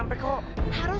enggak usah menari dulu